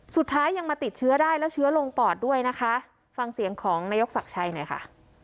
สุดท้ายยังมาติดเชื้อได้แล้วเชื้อลงปอดด้วยนะคะฟังเสียงของนายกศักดิ์ชัยหน่อยค่ะ